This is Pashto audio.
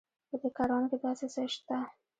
په دې کاروان کې داسې څه شته.